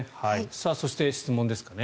そして、質問ですかね。